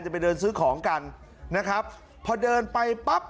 ไปเดินซื้อของกันนะครับพอเดินไปปั๊บ